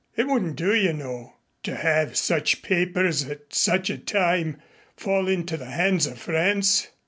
It wouldn't do, you know, to have such papers at such a time fall into the hands of France.